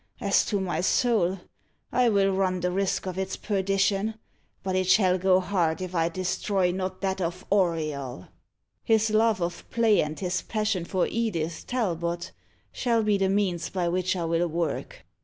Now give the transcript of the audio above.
As to my soul, I will run the risk of its perdition; but it shall go hard if I destroy not that of Auriol. His love of play and his passion for Edith Talbot shall be the means by which I will work.